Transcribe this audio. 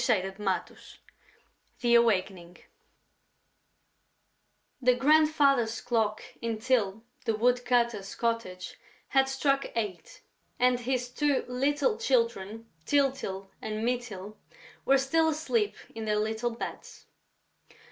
CHAPTER X THE AWAKENING The grandfather's clock in Tyl the woodcutter's cottage had struck eight; and his two little Children, Tyltyl and Mytyl, were still asleep in their little beds.